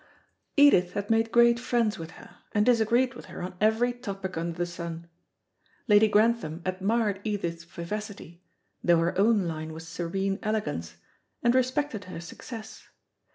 Edith had made great friends with her, and disagreed with her on every topic under the sun. Lady Grantham admired Edith's vivacity, though her own line was serene elegance, and respected her success.